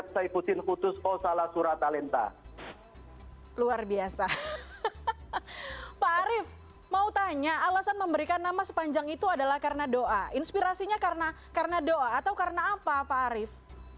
pak arief mau tanya alasan memberikan nama sepanjang itu adalah karena doa inspirasinya karena doa atau karena apa pak arief